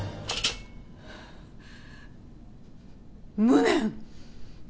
無念！